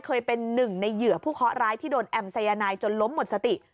เคยเป็นหนึ่งในเหยื่อผู้เคาะร้ายที่โดนแอมสายนายจนล้มหมดสติ